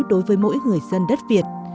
đối với mỗi người dân đất việt